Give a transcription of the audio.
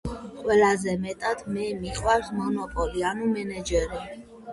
ყველაზე მეტად მე მიყვარს მონოპოლია ანუ მენეჯერობა